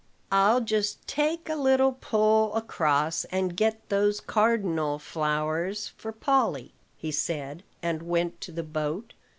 "I'll just take a little pull across, and get those cardinal flowers for Polly," he said; and went to the boat.